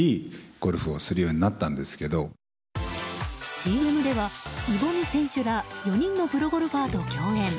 ＣＭではイ・ボミ選手ら４人のプロゴルファーと共演。